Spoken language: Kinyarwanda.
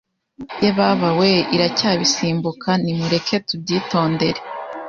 Yebabawe iracyabisimbuka nimureke tubyitondere